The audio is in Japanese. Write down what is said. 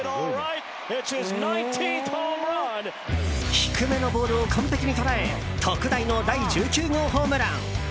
低めのボールを完璧に捉え特大の第１９号ホームラン。